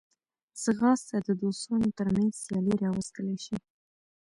ځغاسته د دوستانو ترمنځ سیالي راوستلی شي